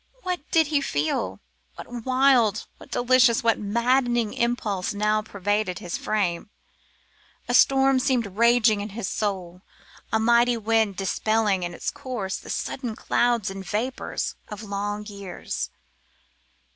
What did he feel? What wild, what delicious, what maddening impulse now pervaded his frame? A storm seemed raging in his soul, a mighty wind dispelling in its course the sullen clouds and vapours of long years.